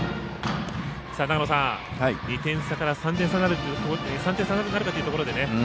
２点差から３点差になるかというところですね。